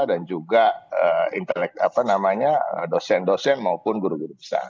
dan juga dosen dosen maupun guru guru besar